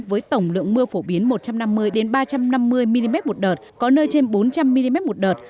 với tổng lượng mưa phổ biến một trăm năm mươi ba trăm năm mươi mm một đợt có nơi trên bốn trăm linh mm một đợt